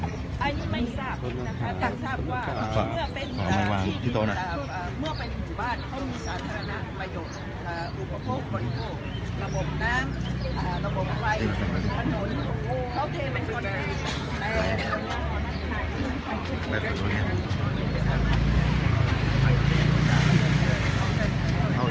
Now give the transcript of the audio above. อันนี้ไม่ทราบนะคะแต่ทราบว่าเมื่อเป็นอ๋อไม่วางพี่โตน่ะอ่า